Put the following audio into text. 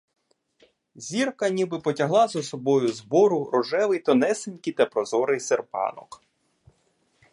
Зірка ніби потягла за собою з бору рожевий тонесенький та прозорий серпанок.